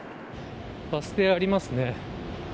バス停ありますね。